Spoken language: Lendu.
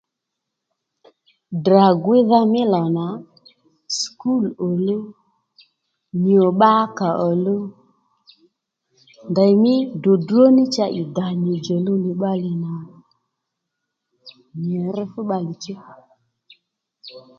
Ddrà gwíydha mí lò nà sùkúl òluw yò bba kàòluw ndèymí dròdró cha ì dà nyì djòluw nì nà nyì rr fú bbalè chuw